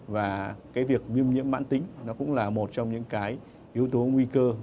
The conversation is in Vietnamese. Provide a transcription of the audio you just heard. và cái việc viêm nhiễm mãn tính nó cũng là một trong những cái yếu tố nguy cơ